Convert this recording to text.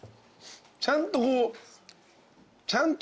ちゃんとこう。